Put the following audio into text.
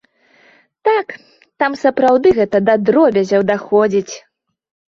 Так, там сапраўды гэта да дробязяў даходзіць.